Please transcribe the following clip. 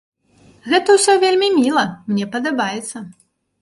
Гэта ўсё вельмі міла, мне падаецца.